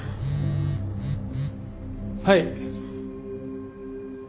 はい。